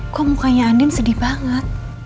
kok mukanya andin sedih banget